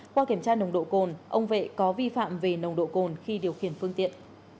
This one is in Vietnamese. qua kiểm tra nồng độ cồn ông vệ có vi phạm về nồng độ cồn khi điều khiển phương tiện